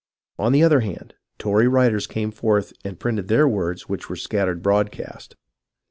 On the other hand, Tory writers came forth with their printed words which were scattered broadcast.